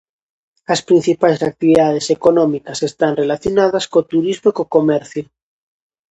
As principais actividades económicas están relacionadas co turismo e co comercio.